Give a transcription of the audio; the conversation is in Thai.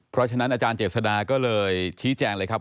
เพราะฉะนั้นอาจารย์เจษดาก็เลยชี้แจงเลยครับ